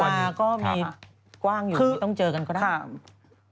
สาราก็มีกว้างอยู่ต้องเจอกันเขานะครับ